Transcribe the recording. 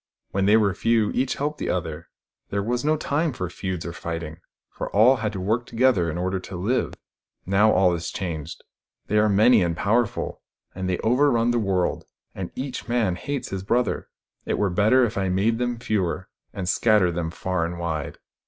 " When they were few, each helped the other : there was no time for feuds or fighting, for all had to work together in order to live. Now all is changed. They are many and powerful, and they over run the world, and each man hates his brother. It were better if I made them fewer, and scattered them far and wide.